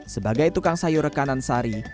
sebagai tukang sayur rekanan sari